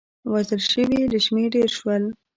وژل شوي له شمېر ډېر شول.